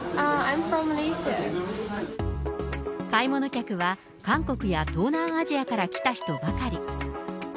買い物客は韓国や東南アジアから来た人ばかり。